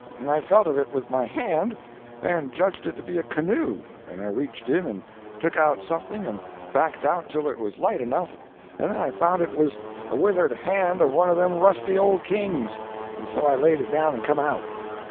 I felt of it with my hand, and judged it to be a canoe, and reached in and took out something and backed out till it was light enough, and then I found it was a withered hand of one of them rusty old kings. And so l laid it down and come out."